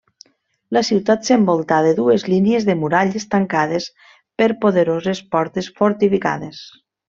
La ciutat s'envoltà de dues línies de muralles tancades per poderoses portes fortificades.